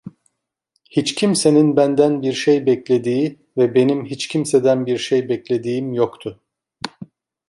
Hiç kimsenin benden bir şey beklediği ve benim hiç kimseden bir şey beklediğim yoktu.